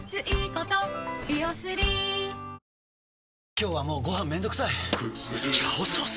今日はもうご飯めんどくさい「炒ソース」！？